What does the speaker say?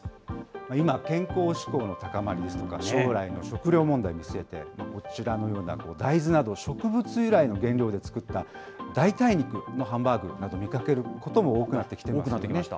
今、健康志向の高まりですとか、将来の食料問題を見据えて、こちらのような大豆など、植物由来の原料で作った代替肉のハンバーグなど、見かけることも多くなってきています。